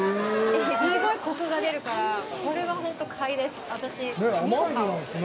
すごいコクが出るからこれは本当に買いです。